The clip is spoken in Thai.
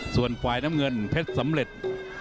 ส่วนฝ่ายน้ำเงินเพชรสำเร็จ